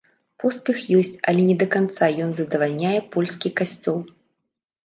Поспех ёсць, але не да канца ён задавальняе польскі касцёл.